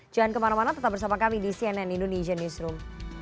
jangan kemana mana tetap bersama kami di cnn indonesian newsroom